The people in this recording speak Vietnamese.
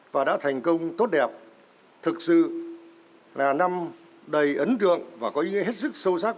và đã thành công tốt đẹp thực sự là năm đầy ấn tượng và có ý nghĩa hết sức sâu sắc